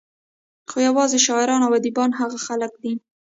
خو يوازې شاعران او اديبان هغه خلق دي